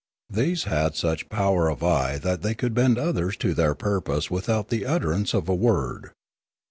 These had such power of eye that they could bend others to their purpose without the utterance of a word.